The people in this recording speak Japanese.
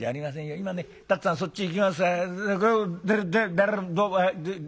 今ね辰つぁんそっち行きます」。